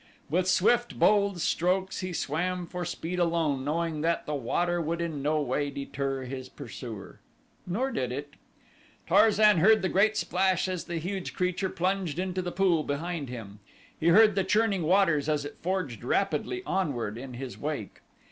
With swift, bold strokes he swam for speed alone knowing that the water would in no way deter his pursuer. Nor did it. Tarzan heard the great splash as the huge creature plunged into the pool behind him; he heard the churning waters as it forged rapidly onward in his wake.